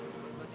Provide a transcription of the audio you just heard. hebat banget ya